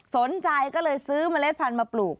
สนใจก็เลยซื้อเมล็ดพันธุ์มาปลูก